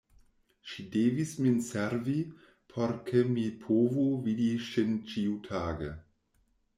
Ŝi devis min servi, por ke mi povu vidi ŝin ĉiutage.